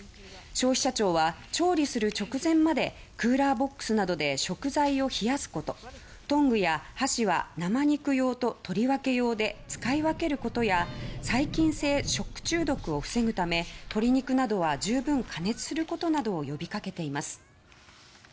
消費者庁は、調理する直前までクーラーボックスなどで食材を冷やすことトングや箸は生肉用と取り分け用で使い分けることや細菌性食中毒を防ぐため鶏肉などは十分加熱することなどを呼びかけています。